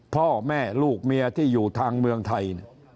พ่อแม่ลูกเมียที่อยู่ทางเมืองไทย